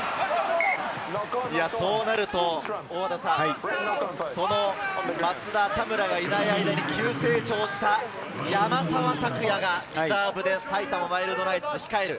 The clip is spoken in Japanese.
そうなると、松田・田村がいない間に急成長した山沢拓也がリザーブで埼玉ワイルドナイツに控える。